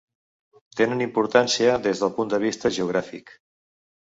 Tenen importància des del punt de vista geogràfic.